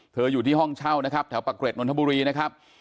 อยู่ที่ห้องเช่านะครับแถวปากเกร็ดนนทบุรีนะครับ